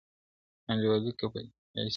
انډیوالۍ کي چا حساب کړی دی ,